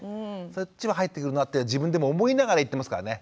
そっちも入ってくるようになって自分でも思いながら言ってますからね。